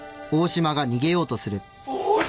大島！